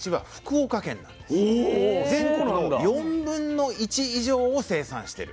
全国の４分の１以上を生産してる。